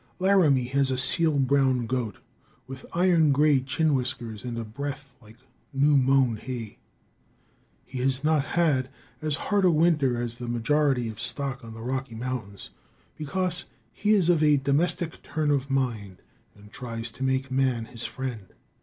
Laramie has a seal brown goat, with iron gray chin whiskers and a breath like new mown hay. He has not had as hard a winter as the majority of stock on the Rocky mountains, because he is of a domestic turn of mind and tries to make man his friend.